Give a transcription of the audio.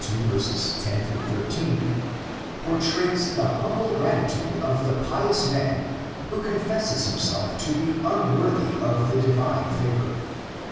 10 13, portrays the humble grati tude of the pious man who confesses himself to be unworthy of the divine favor.